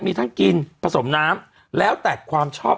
มีทั้งกินผสมน้ำแล้วแต่ความชอบ